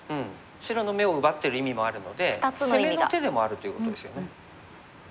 白の眼を奪ってる意味もあるので攻めの手でもあるということですよね。